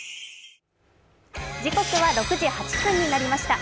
時刻は６時８分になりました。